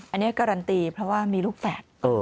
อันนี้การันตีเพราะว่ามีลูกแฝด